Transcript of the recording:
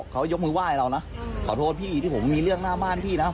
เขายกมือไหว้เรานะขอโทษพี่ที่ผมมีเรื่องหน้าบ้านพี่นะ